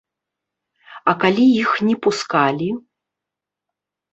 А калі іх не пускалі?